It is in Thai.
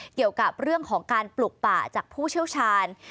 เกี่ยวกับเรื่องของการปลุกป่าจากผู้เชี่ยวชาญ